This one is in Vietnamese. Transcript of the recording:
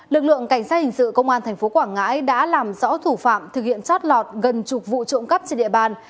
lực lượng cảnh sát hình sự công an tp quảng ngãi đã làm rõ thủ phạm thực hiện chót lọt gần chục vụ trộm cắp trên địa bàn